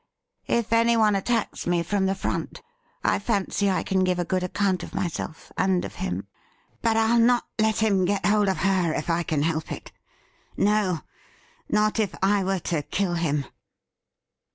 If anyone attacks me from the front, I fancy I can give a good accoimt of myself and of him. But I'll not let him get hold of her if I can help it. No, not if I were to kill him